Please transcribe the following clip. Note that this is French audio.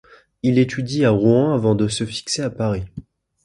Il étudie à Rouen avant de se fixer à Paris.